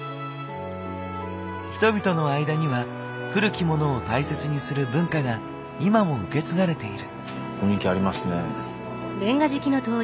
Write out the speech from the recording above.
人々の間には古きモノを大切にする文化が今も受け継がれている。